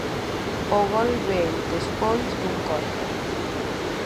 O gol veu despois dun córner.